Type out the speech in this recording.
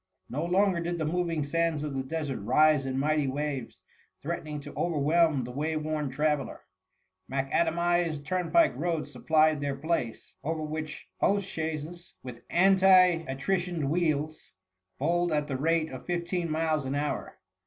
THE MUMMY. 189 No longer did the moving sands of the Desert rise in mighty waves, threatening to over whelm the wayworn traveller: macadamized turnpike roads supplied their place, over which postchaises, with anti attritioned wheels, bowU ed at the rate of fifteen miles an hour.